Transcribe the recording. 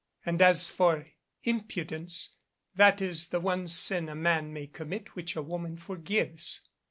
And as for impudence that is the one sin a man may commit which a woman forgives."